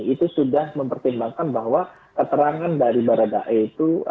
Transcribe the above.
itu sudah mempertimbangkan bahwa keterangan dari baradae itu